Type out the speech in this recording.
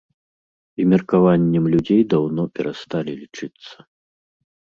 З меркаваннем людзей даўно перасталі лічыцца.